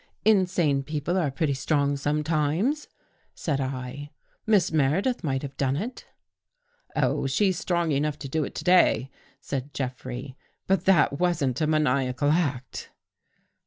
"" Insane people are pretty strong sometimes," said I. " Miss Meredith might have done it." "Oh, she's strong enough to do it to day," said Jeffrey. " But that wasn't a maniacal act."